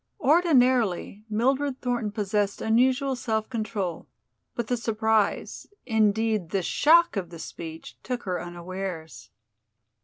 Ordinarily Mildred Thornton possessed unusual self control, but the surprise, indeed, the shock of the speech, took her unawares.